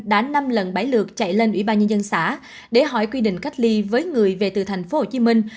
đã năm lần bảy lượt chạy lên ủy ban nhân dân xã để hỏi quy định cách ly với người về từ thành phố hồ chí minh